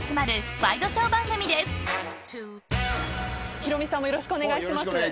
ヒロミさんもよろしくお願いします。